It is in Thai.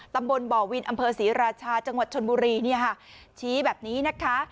ตำบลบ่อวินอำเภอศรีราชาจังหวัดชนบุรีชี้แบบนี้นะคะ